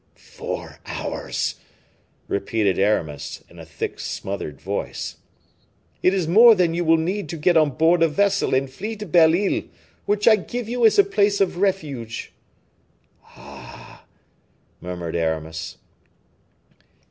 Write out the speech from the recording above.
"Four hours!" repeated Aramis, in a thick, smothered voice. "It is more than you will need to get on board a vessel and flee to Belle Isle, which I give you as a place of refuge." "Ah!" murmured Aramis.